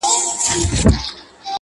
چي لوستونکي استقامت ته هڅوي